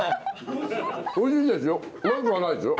おいしいですよ